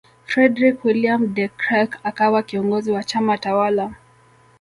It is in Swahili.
Fredrick Willeum De Krelk akawa kiongozi wa chama tawala